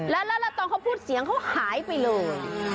แล้วตอนเขาพูดเสียงเขาหายไปเลย